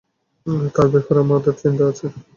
তার ব্যাপারে আমাদের চিন্তা আছে।